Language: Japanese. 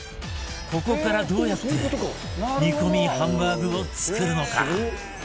ここからどうやって煮込みハンバーグを作るのか？